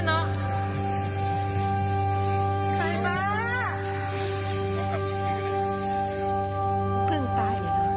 แต่จะสู้จุเวลา